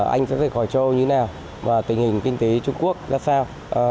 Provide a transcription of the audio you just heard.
anh sẽ rời khỏi châu âu như nào và tình hình kinh tế trung quốc ra sao